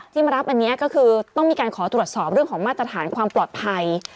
มารับอันนี้ก็คือต้องมีการขอตรวจสอบเรื่องของมาตรฐานความปลอดภัย